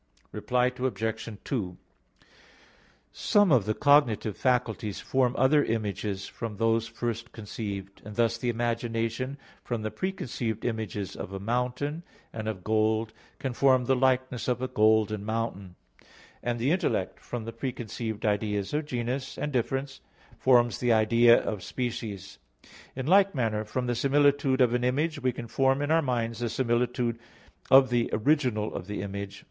Reply Obj. 2: Some of the cognitive faculties form other images from those first conceived; thus the imagination from the preconceived images of a mountain and of gold can form the likeness of a golden mountain; and the intellect, from the preconceived ideas of genus and difference, forms the idea of species; in like manner from the similitude of an image we can form in our minds the similitude of the original of the image.